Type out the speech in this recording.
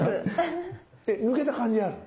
抜けた感じある？